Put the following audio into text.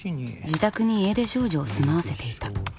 自宅に家出少女を住まわせていた。